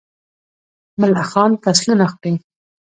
ملخان فصلونه خوري.